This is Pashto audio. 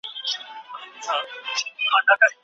فرهنګي او مذهبي شرایط د ښځو محدودیت ساتي.